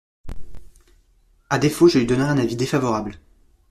À défaut, je lui donnerai un avis défavorable.